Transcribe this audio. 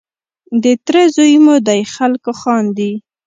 د تره زوی مو دی خلک خاندي.